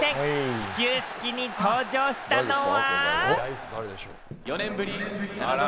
始球式に登場したのは。